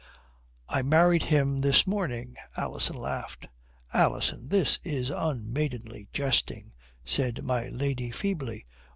"I married him this morning," Alison laughed. "Alison, this is unmaidenly jesting," said my lady feebly.